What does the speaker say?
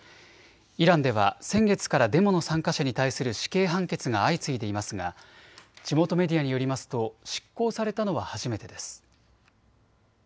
イランでは先月からデモの参加者に対する死刑判決が相次いでいますが地元メディアによりますと執行されたのは初めてです。